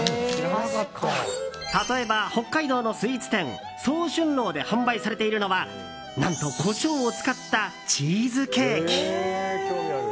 例えば、北海道のスイーツ店奏春楼で販売されているのは何と、コショウを使ったチーズケーキ。